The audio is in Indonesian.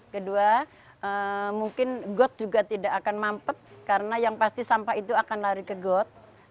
kedua mungkin got juga tidak akan mampet karena yang pasti sampah itu akan lari ke got